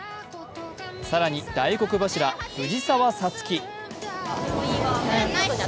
更に大黒柱・藤澤五月。